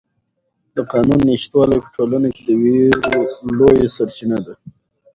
د قانون نشتوالی په ټولنه کې د وېرو لویه سرچینه ده.